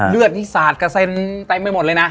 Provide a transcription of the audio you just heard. เลือดนี่สาดกระเซ็นเต็มไปหมดเลยนะ